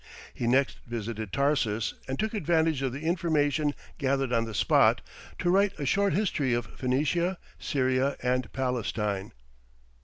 He next visited Tarsus and took advantage of the information gathered on the spot, to write a short history of Phoenicia, Syria, and Palestine.